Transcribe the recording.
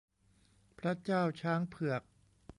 พระเจ้าช้างเผือก